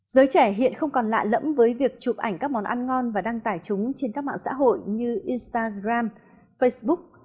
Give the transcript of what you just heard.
giới trẻ hiện không còn lạ lẫm với việc chụp ảnh các món ăn ngon và đăng tải chúng trên các mạng xã hội như instagram facebook